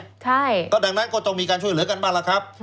ใช่ก็ดังนั้นก็ต้องมีการช่วยเหลือกันบ้างล่ะครับ